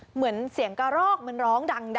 เหมือนเสียงกระรอกมันร้องดัง